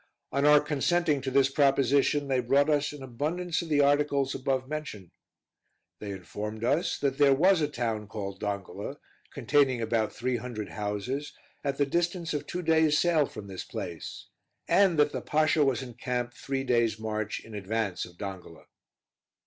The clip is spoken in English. On our consenting to this proposition, they brought us an abundance of the articles above mentioned. They informed us that there was a town called Dongola, containing about three hundred houses, at the distance of two days' sail from this place, and that the Pasha was encamped three days' march in advance of Dongola.